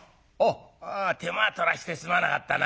「お手間取らせてすまなかったな。